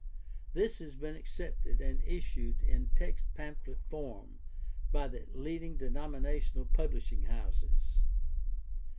This has been accepted and issued in text pamphlet form by the leading denomina tional publishing houses.